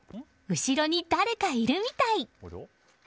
後ろに誰かいるみたい。